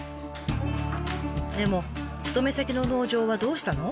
でも勤め先の農場はどうしたの？